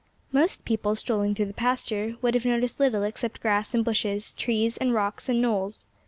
Most people, strolling through the pasture, would have noticed little except grass and bushes, trees and rocks and knolls.